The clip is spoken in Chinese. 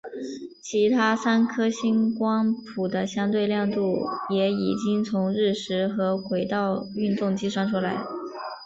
其他三颗星光谱的相对亮度也已经从日食和轨道运动计算出来。